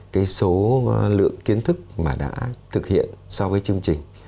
cái số lượng kiến thức mà đã thực hiện so với chương trình